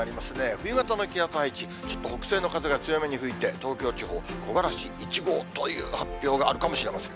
冬型の気圧配置、ちょっと北西の風が強めに吹いて、東京地方、木枯らし１号という発表があるかもしれません。